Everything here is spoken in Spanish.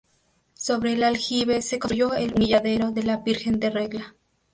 Sobre el aljibe se construyó el Humilladero de la Virgen de Regla.